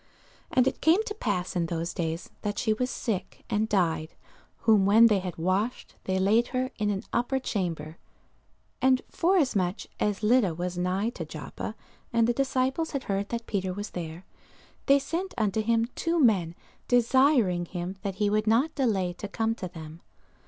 And it came to pass in those days, that she was sick, and died: whom when they had washed, they laid her in an upper chamber. And forasmuch as Lydda was nigh to Joppa, and the disciples had heard that Peter was there, they sent unto him two men, desiring him that he would not delay to come to them.